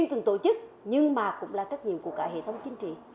từng tổ chức nhưng mà cũng là trách nhiệm của cả hệ thống chính trị